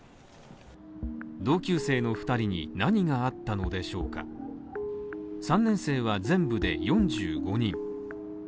同級生の２人に何があったのでしょうか３年生は全部で４５人。